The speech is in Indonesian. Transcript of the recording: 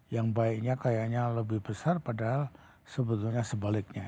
yang baiknya kayaknya lebih besar padahal sebetulnya sebaliknya